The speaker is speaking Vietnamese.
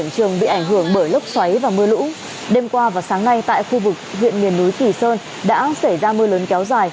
trường bị ảnh hưởng bởi lốc xoáy và mưa lũ đêm qua và sáng nay tại khu vực huyện miền núi kỳ sơn đã xảy ra mưa lớn kéo dài